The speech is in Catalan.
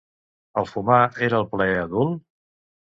El fumar era el plaer adult?